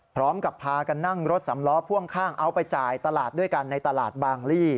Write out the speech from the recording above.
พร้อมกับพากันนั่งรถสำล้อพ่วงข้างเอาไปจ่ายตลาดด้วยกันในตลาดบางลี่